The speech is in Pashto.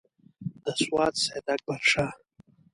د سوات سیداکبرشاه.